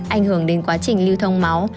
ảnh hưởng đến quá trình lưu thông máu